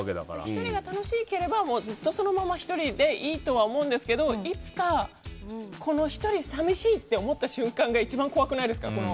１人が楽しければずっとそのまま１人でいいと思うんですけどいつか、１人が寂しいと思った瞬間が一番怖くないですか？